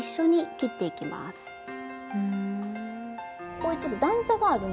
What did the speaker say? こういうちょっと段差があるねんね。